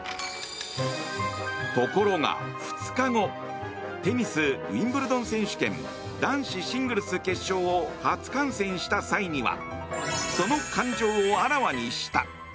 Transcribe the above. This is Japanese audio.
ところが２日後テニス、ウィンブルドン選手権男子シングルス決勝を初観戦した際にはその感情をあらわにした。